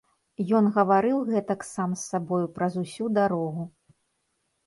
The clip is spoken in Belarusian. Ён гаварыў гэтак сам з сабою праз усю дарогу.